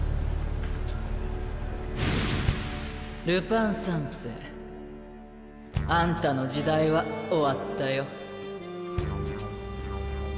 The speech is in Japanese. ルパン三世あんたの時代は終わったよ